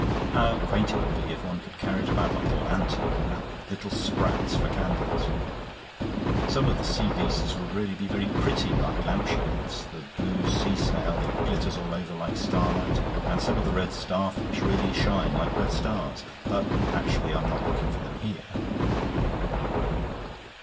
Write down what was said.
"How quaint it would be if one could carry it about like a lantern, or have little sprats for candles. Some of the seabeasts would really be very pretty like lampshades; the blue sea snail that glitters all over like starlight; and some of the red starfish really shine like red stars. But, naturally, I'm not looking for them here."